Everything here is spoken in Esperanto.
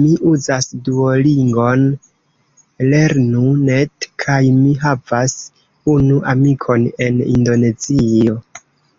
Mi uzas Duolingon, Lernu.net kaj mi havas unu amikon en Indonezio